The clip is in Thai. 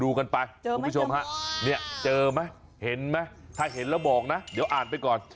กันไปคุณผู้ชมฮะเนี่ยเจอไหมเห็นไหมถ้าเห็นแล้วบอกนะเดี๋ยวอ่านไปก่อน